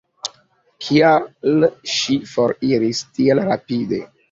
Kial ŝi foriris tiel rapide?